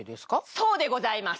そうでございます！